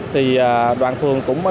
thì đoàn phường cũng đề đáy